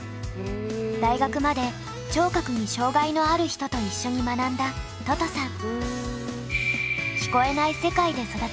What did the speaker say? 大学まで聴覚に障害のある人と一緒に学んだととさん。